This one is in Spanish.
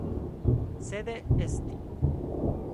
Sede St.